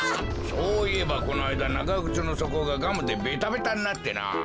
そういえばこのあいだながぐつのそこがガムでベタベタになってなあ。